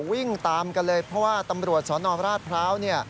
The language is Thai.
วิ่งตามกันเลยเพราะว่าตำรวจสนราชพร้าว